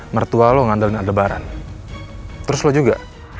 mertua lo ngandelin aldebaran terus lo juga